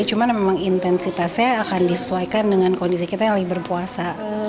cuman memang intensitasnya akan disesuaikan dengan kondisi kita yang lagi berpuasa